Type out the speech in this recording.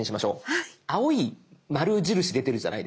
青い丸印出てるじゃないですか。